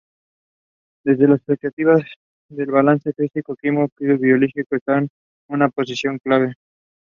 The Day of the Unification of the Romanian Principalities is also celebrated in Moldova.